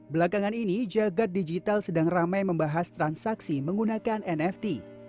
belakangan ini jagad digital sedang ramai membahas transaksi menggunakan nft